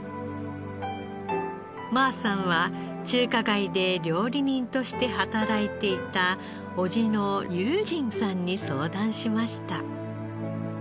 馬さんは中華街で料理人として働いていた伯父の玉清さんに相談しました。